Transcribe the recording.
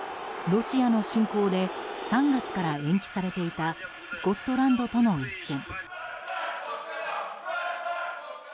ロシアの侵攻で３月から延期されていたスコットランドとの一戦。